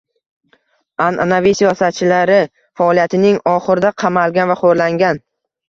an’anaviy siyosatchilari faoliyatining oxirida qamalgan va xo‘rlangan